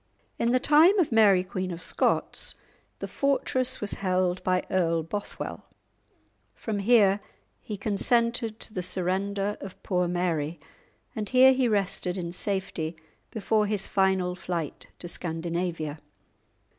In the time of Mary Queen of Scots the fortress was held by Earl Bothwell; from here he consented to the surrender of poor Mary, and here he rested in safety before his final flight to Scandinavia.